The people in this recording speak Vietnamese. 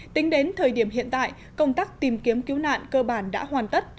tính đến thời điểm hiện tại công tác tìm kiếm cứu nạn cơ bản đã hoàn tất